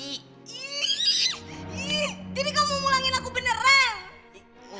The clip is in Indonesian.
ih ih jadi kamu mau mulangin aku beneran